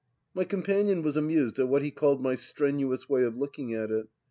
My companion was amused at what he called my strenuous way of looking at it.